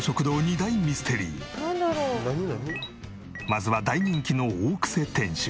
まずは大人気の大クセ店主。